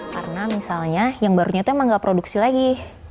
karena misalnya yang barunya itu emang gak produksi lagi